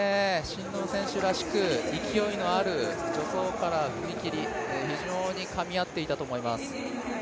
真野選手らしく勢いのある助走から踏み切り非常にかみ合っていたと思います。